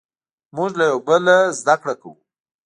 موږ له یو بل نه زدهکړه کوو.